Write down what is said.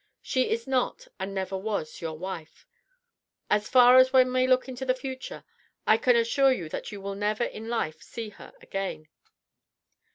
She is not and never was your wife. As far as one may look into the future, I can assure you that you will never in life see her again."